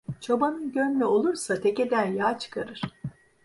Çobanın gönlü olursa tekeden yağ çıkarır…